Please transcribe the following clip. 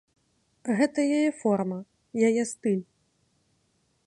Гэта яе форма, яе стыль.